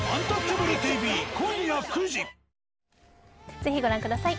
ぜひご覧ください。